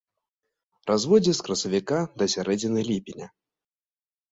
Разводдзе з красавіка да сярэдзіны ліпеня.